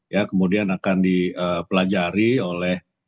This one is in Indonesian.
ya kemudian akan dipelajari oleh